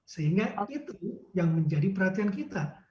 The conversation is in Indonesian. sehingga itu yang menjadi perhatian kita